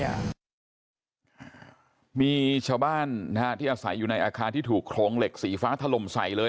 จะมีเช้าบ้านนายไต้อาศัยอยู่ในอาคารที่ถูกตรงเหล็กสีฟ้าทหลมใสเลย